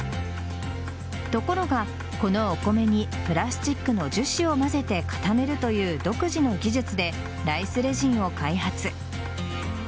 ところがこのお米にプラスチックの樹脂をまぜて固めるという独自の技術でライスレジンを開発。